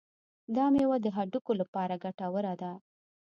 دا میوه د هډوکو لپاره ګټوره ده.